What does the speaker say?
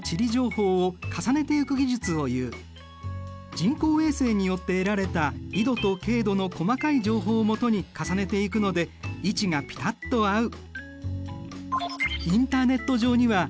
人工衛星によって得られた緯度と経度の細かい情報をもとに重ねていくので位置がピタッと合う。